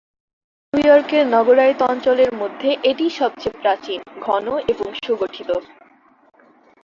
New ইয়র্কের নগরায়িত অঞ্চলের মধ্যে এটিই সবচেয়ে প্রাচীন, ঘন এবং সুগঠিত।